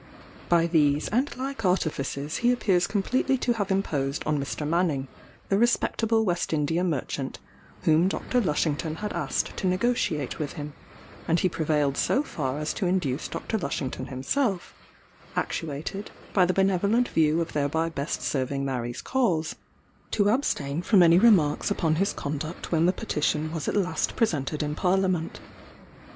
By these and like artifices he appears completely to have imposed on Mr. Manning, the respectable West India merchant whom Dr. Lushington had asked to negotiate with him; and he prevailed so far as to induce Dr. Lushington himself (actuated by the benevolent view of thereby best serving Mary's cause,) to abstain from any remarks upon his conduct when the petition was at last presented in Parliament.